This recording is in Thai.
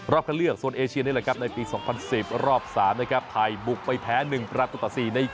เข้าเลือกโซนเอเชียนี่แหละครับในปี๒๐๑๐รอบ๓นะครับไทยบุกไปแพ้๑ประตูต่อ๔ใน